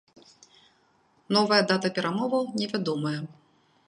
Новая дата перамоваў невядомая.